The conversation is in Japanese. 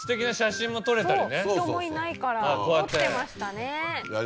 人もいないから撮ってましたね。